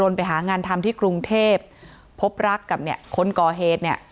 โดนไปหางานทำที่กรุงเทพภพรักกับคนก่อเหตุ